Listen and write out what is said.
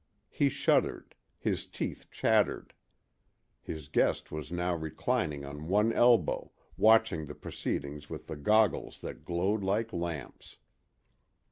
He shuddered; his teeth chattered. His guest was now reclining on one elbow, watching the proceedings with the goggles that glowed like lamps.